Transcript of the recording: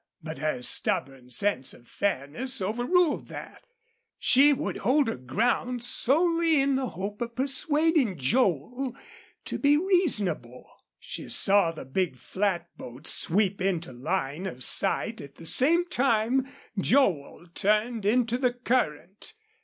But her stubborn sense of fairness overruled that. She would hold her ground solely in the hope of persuading Joel to be reasonable. She saw the big flatboat sweep into line of sight at the same time Joel turned into the current.